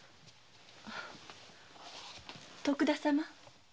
徳田様。